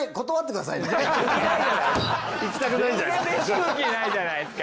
全然飯食う気ないじゃないですか。